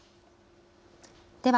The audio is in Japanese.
では